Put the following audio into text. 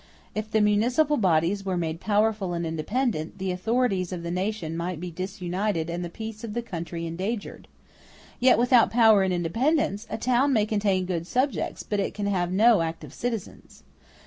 If the municipal bodies were made powerful and independent, the authorities of the nation might be disunited and the peace of the country endangered. Yet, without power and independence, a town may contain good subjects, but it can have no active citizens.